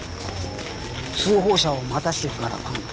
通報者を待たせているから頼む。